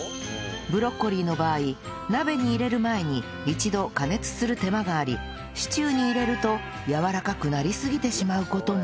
ブロッコリーの場合鍋に入れる前に一度加熱する手間がありシチューに入れるとやわらかくなりすぎてしまう事も